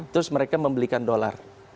terus mereka membelikan dollar